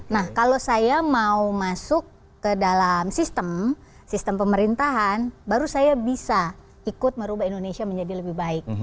nah kalau saya mau masuk ke dalam sistem sistem pemerintahan baru saya bisa ikut merubah indonesia menjadi lebih baik